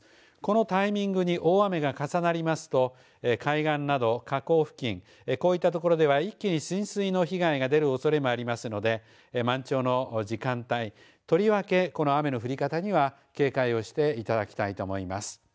このタイミングに大雨が重なりますと海岸など河口付近こういった所では一気に浸水の被害が出るおそれもありますので満潮の時間帯とりわけ、この雨の降り方には警戒をしていただきたいと思います。